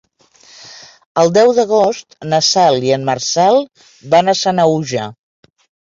El deu d'agost na Cel i en Marcel van a Sanaüja.